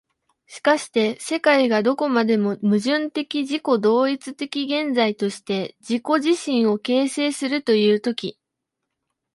しかして世界がどこまでも矛盾的自己同一的現在として自己自身を形成するという時、